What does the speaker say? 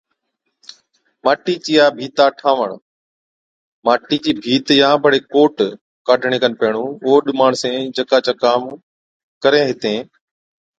ماٽِي چِيا ڀِيتا ٺاهوَڻ، ماٽِي چِي ڀيت يان بڙي ڪوٽ ڪاڍڻي کن پيهڻُون اوڏ ماڻسين جڪا چا ڪام ڪرين هِتين